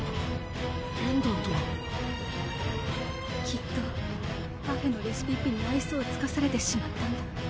ペンダントがきっとパフェのレシピッピに愛想をつかされてしまったんだ